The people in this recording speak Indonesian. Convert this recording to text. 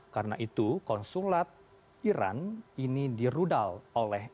karena itu konsulat iran ini dirudal oleh israel